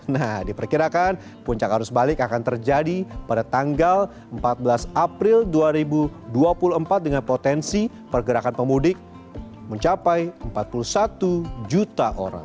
nah diperkirakan puncak arus balik akan terjadi pada tanggal empat belas april dua ribu dua puluh empat dengan potensi pergerakan pemudik mencapai empat puluh satu juta orang